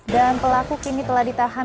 dan pelaku kini telah ditahan